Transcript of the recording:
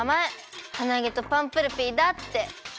ハナゲとパンプルピーだって。